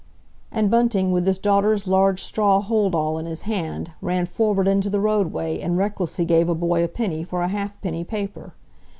And Bunting, with his daughter's large straw hold all in his hand, ran forward into the roadway and recklessly gave a boy a penny for a halfpenny paper.